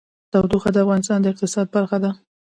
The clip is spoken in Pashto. تودوخه د افغانستان د اقتصاد برخه ده.